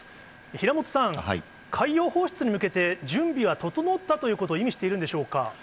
平本さん、海洋放出に向けて、準備は整ったということを意味しているんでしょうか。